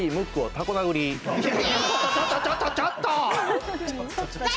ちょっとちょっと。